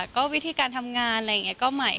ก็วิธีการทำงานก็ใหม่